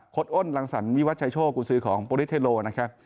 อ้นรังสรรวิวัชชัยโชคกุศือของโปรดิเทโลนะครับ